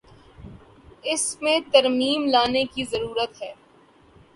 اس میں ترمیم لانے کی ضرورت ہے۔